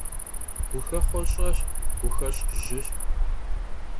Guxexhue ş'eş, guxeş' jış.